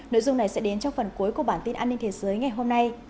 nội dung này sẽ đến trong phần cuối của bản tin an ninh thế giới ngày hôm nay